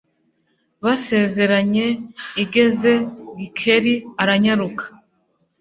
basezeranye igeze Gikeli aranyaruka